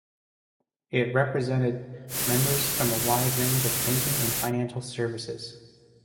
It represented members from a wide range of banking and financial services.